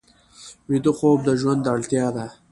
ویده خوب د ژوند اړتیا ده